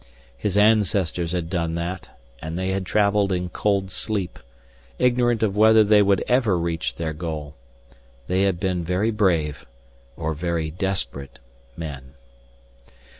His ancestors had done that, and they had traveled in cold sleep, ignorant of whether they would ever reach their goal. They had been very brave, or very desperate, men.